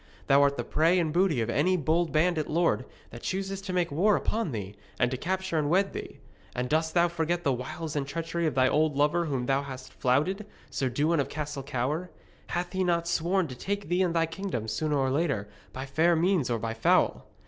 Thou art the prey and booty of any bold bandit lord that chooses to make war upon thee, and to capture and wed thee. And dost thou forget the wiles and treachery of thy old lover whom thou hast flouted, Sir Dewin of Castle Cower? Hath he not sworn to take thee and thy kingdom, sooner or later, by fair means or by foul?